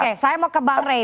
oke saya mau ke bang rey